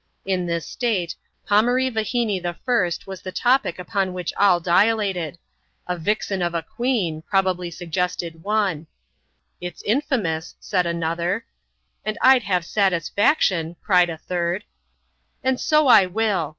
In Uus state, Pomaree Yahinee I. was the topic upon which all dilated —A vixen of a queen," probably suggested (me. " It's infifc mous," said another ;^ and Td have satisfaction," cried a third. "And so I will!"